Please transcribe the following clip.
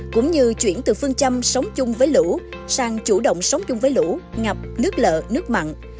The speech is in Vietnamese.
cũng như chuyển từ phương châm sống chung với lũ sang chủ động sống chung với lũ ngập nước lợ nước mặn